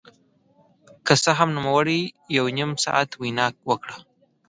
که څه هم نوموړي يو نيم ساعت وينا وکړه.